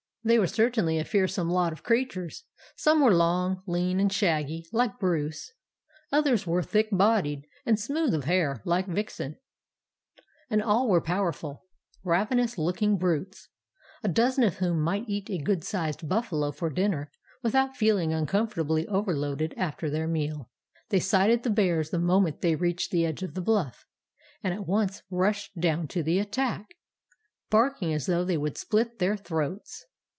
"They were certainly a fearsome lot of creatures. Some were long, lean, and shaggy, like Bruce; others were thick bodied and smooth of hair, like Vixen,—and all were powerful, ravenous looking brutes, a dozen of whom might eat a good sized buffalo for dinner without feeling uncomfortably overloaded after their meal. "They sighted the bears the moment they reached the edge of the bluff, and at once rushed down to the attack, barking as though they would split their throats.